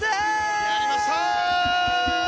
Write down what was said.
やりました！